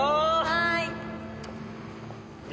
はい！